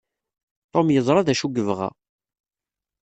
Tom yeẓra d acu yebɣa.